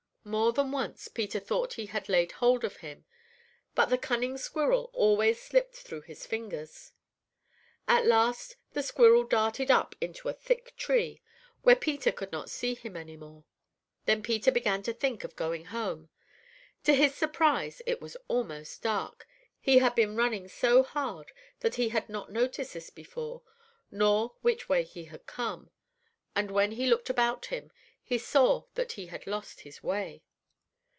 More than once, Peter thought he had laid hold of him, but the cunning squirrel always slipped through his fingers. "At last the squirrel darted up into a thick tree, where Peter could not see him any more. Then Peter began to think of going home. To his surprise it was almost dark. He had been running so hard that he had not noticed this before, nor which way he had come, and when he looked about him, he saw that he had lost his way.